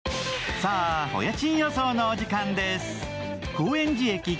さあ、お家賃予想のお時間です。